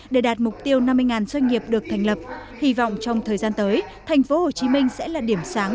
để đạt mục tiêu năm mươi doanh nghiệp được thành lập hy vọng trong thời gian tới tp hcm sẽ là điểm sáng